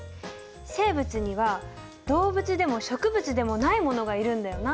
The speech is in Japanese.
生物には動物でも植物でもないものがいるんだよな。